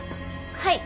はい。